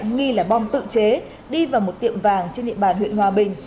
nghi là bom tự chế đi vào một tiệm vàng trên địa bàn huyện hòa bình